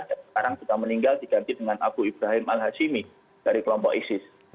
sekarang sudah meninggal diganti dengan abu ibrahim al hashimi dari kelompok isis